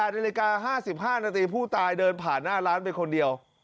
นาฬิกา๕๕นาทีผู้ตายเดินผ่านหน้าร้านไปคนเดียว